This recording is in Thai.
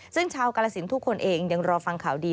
ซึ่งชาวกาลสินทุกคนเองยังรอฟังข่าวดี